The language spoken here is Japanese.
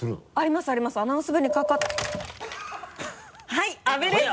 はい阿部です！